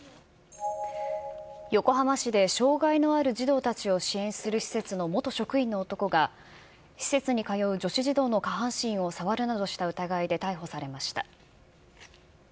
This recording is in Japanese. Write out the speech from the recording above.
横浜市で障害のある児童たちを支援する施設の元職員の男が、施設に通う女子児童の下半身を触るなどした疑いで逮捕されました。